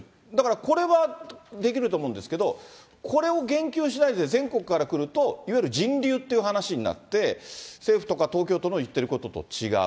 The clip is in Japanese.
これはできると思うんですけど、これを言及しないで、全国から来ると、いわゆる人流っていう話になって、政府とか東京都の言ってることと違う。